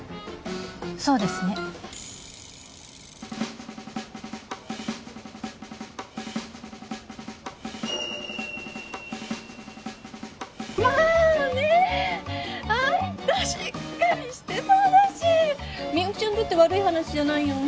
そうですねまあねあんたしっかりしてそうだしみゆきちゃんにとって悪い話じゃないよね